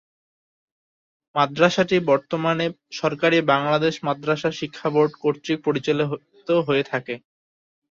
মাদ্রাসাটি বর্তমানে সরকারি বাংলাদেশ মাদ্রাসা শিক্ষা বোর্ড কতৃক পরিচালিত হয়ে থাকে।